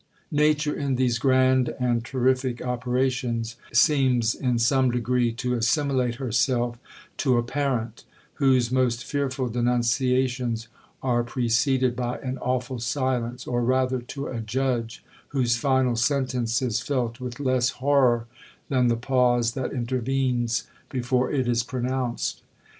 Nature, in these grand and terrific operations, seems in some degree to assimilate herself to a parent, whose most fearful denunciations are preceded by an awful silence, or rather to a judge, whose final sentence is felt with less horror than the pause that intervenes before it is pronounced.